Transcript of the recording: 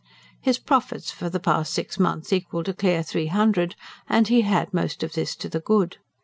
His profits for the past six months equalled a clear three hundred, and he had most of this to the good.